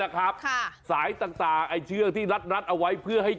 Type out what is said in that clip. คืออะไร